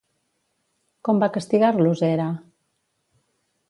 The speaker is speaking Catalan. Com va castigar-los Hera?